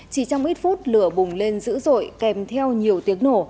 chỉ trong ít phút lửa bùng lên dữ dội kèm theo nhiều tiếng nổ